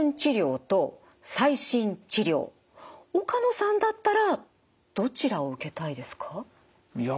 岡野さんだったらどちらを受けたいですか？